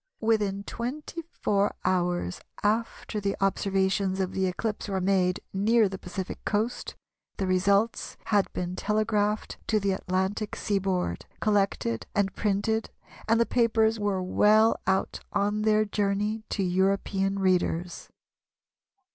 Within twenty four hours after the observations of the eclipse were made near the Pacific coast, the results had been telegraphed to the Atlantic seaboard, collected and printed, and the papers were well out on their journey to European readers."